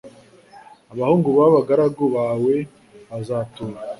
Abahungu b’abagaragu bawe bazatura